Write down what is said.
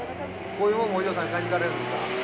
こういうもんもお嬢さん買いに行かれるんですか？